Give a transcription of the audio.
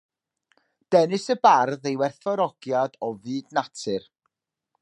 Dengys y bardd ei werthfawrogiad o fyd natur